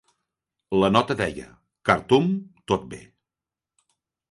La nota deia "Khartoum tot bé".